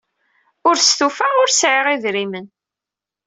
Ur stufaɣ, ur sɛiɣ idrimen.